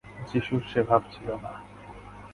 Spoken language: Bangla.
যীশুর সে ভাব ছিল না।